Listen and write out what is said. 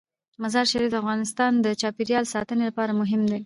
مزارشریف د افغانستان د چاپیریال ساتنې لپاره مهم دي.